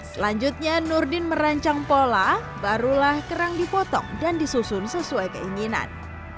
selanjutnya nurdin merancang pola barulah kerang dipotong dan disusun sesuai keinginan